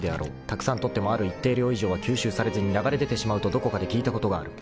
たくさん取ってもある一定量以上は吸収されずに流れ出てしまうとどこかで聞いたことがある。